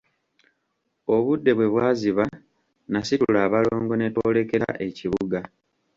Obudde bwe bwaziba, nasitula abalongo ne twolekera ekibuga.